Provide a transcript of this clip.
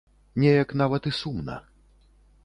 Неяк нават і сумна.